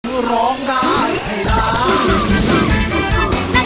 เพื่อร้องได้ให้ร้อง